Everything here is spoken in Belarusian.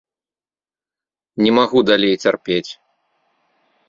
Не магу далей цярпець.